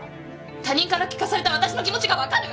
他人から聞かされたわたしの気持ちが分かる！